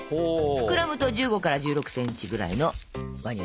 膨らむと１５から１６センチぐらいの輪になります。